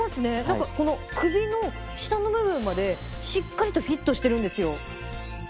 なんかこの首の下の部分までしっかりとフィットしてるんですよ。